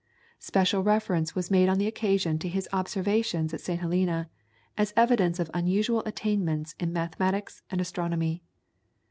Special reference was made on the occasion to his observations at St. Helena, as evidence of unusual attainments in mathematics and astronomy.